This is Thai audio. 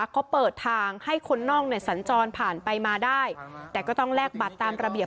เขาเปิดทางให้คนนอกเนี่ยสัญจรผ่านไปมาได้แต่ก็ต้องแลกบัตรตามระเบียบ